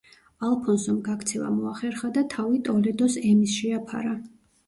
ალფონსომ გაქცევა მოახერხა და თავი ტოლედოს ემის შეაფარა.